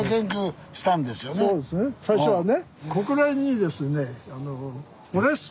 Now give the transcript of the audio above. そうですね最初はね。